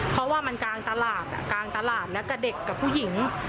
เพราะว่ามันกลางตลาดแล้วก็เด็กกับผู้หญิง